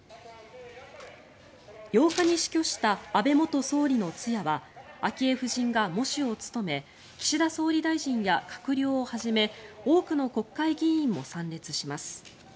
８日に死去した安倍元総理の通夜は昭恵夫人が喪主を務め岸田総理大臣や閣僚をはじめ多くの国会議員も参列します。